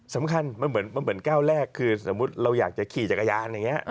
สำคัญมันเหมือนก้าวแรกคือสมมุติเราอยากจะขี่จักรยานอย่างนี้